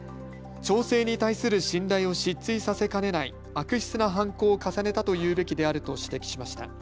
町政に対する信頼を失墜させかねない悪質な犯行を重ねたというべきであると指摘しました。